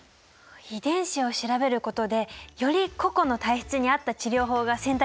遺伝子を調べることでより個々の体質に合った治療法が選択できるようになるんですね。